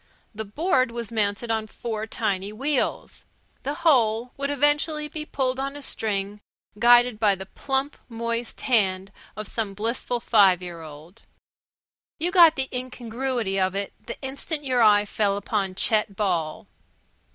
The board was mounted on four tiny wheels. The whole would eventually be pulled on a string guided by the plump, moist hand of some blissful six year old. You got the incongruity of it the instant your eye fell upon Chet Ball.